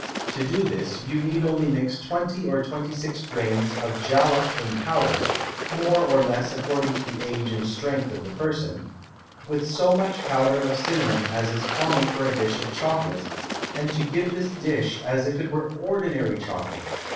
To do this, you need only mix 20 or 26 Grains of Jalap in Powder, (more or less, according to the Age and Strength of the Person) with so much Powder of Cinnamon as is common for a Dish of Chocolate, and to give this Dish as if it were ordinary Chocolate.